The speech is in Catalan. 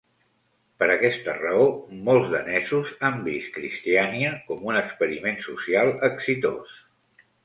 Per aquesta raó, molts danesos han vist Christiania com un experiment social exitós.